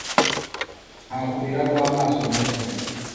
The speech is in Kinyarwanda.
Nka kurira kwamaso meza